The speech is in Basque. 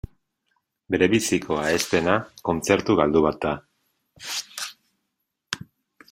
Berebizikoa ez dena kontzertu galdu bat da.